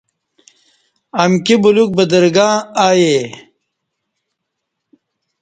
امکی بلیوک بدرگں آئی